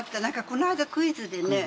この間クイズでね。